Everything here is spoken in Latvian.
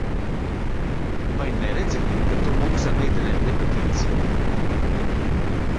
Vai neredzi, ka tu mums ar meitenēm nepatīc?